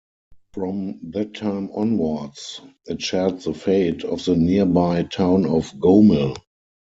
From that time onwards it shared the fate of the nearby town of Gomel.